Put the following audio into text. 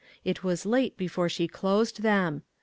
It was late before she closed them.